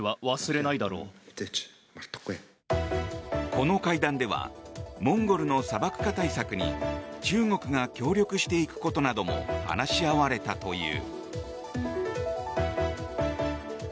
この会談ではモンゴルの砂漠化対策に中国が協力していくことなども話し合われたという。